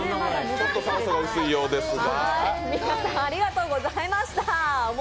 ちょっと酸素が薄いようですが。